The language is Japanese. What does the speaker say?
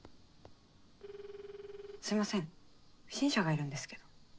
すみません不審者がいるんですけど。